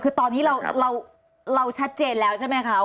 คือตอนนี้เราชัดเจนแล้วใช่ไหมคะ